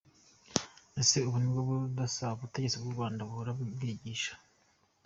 Ese ubu nibwo budasa abategetsi b’u Rwanda bahora bigisha?